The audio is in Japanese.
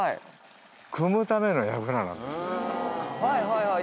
はいはいはい。